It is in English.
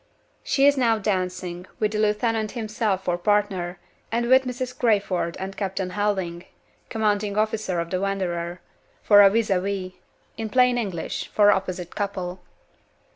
She is now dancing, with the lieutenant himself for partner, and with Mrs. Crayford and Captain Helding (commanding officer of the Wanderer) for vis a vis in plain English, for opposite couple.